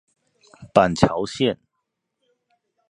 板橋線